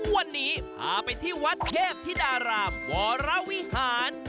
วันนี้พาไปที่วัดเทพธิดารามวรวิหาร